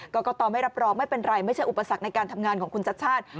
กรกตไม่รับรองไม่เป็นไรไม่ใช่อุปสรรคในการทำงานของคุณชัดชาติ